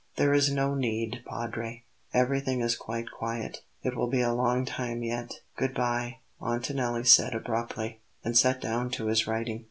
"There is no need, Padre; everything is quite quiet. It will be a long time yet." "Good bye," Montanelli said abruptly, and sat down to his writing.